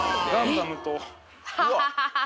アハハハハ。